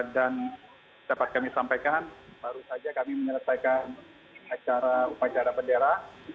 dan dapat kami sampaikan baru saja kami menyelesaikan acara upacara bendera